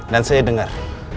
dan saya dengar